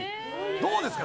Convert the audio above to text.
どうですか。